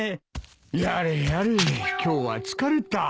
やれやれ今日は疲れた。